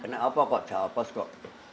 kenapa kok jawa post kok